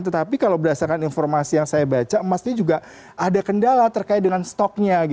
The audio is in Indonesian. tetapi kalau berdasarkan informasi yang saya baca emas ini juga ada kendala terkait dengan stoknya